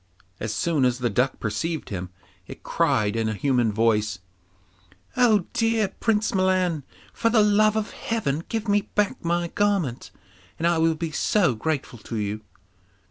As soon as the duck perceived him, it cried in a human voice, 'Oh, dear Prince Milan, for the love of Heaven give me back my garment, and I will be so grateful to you.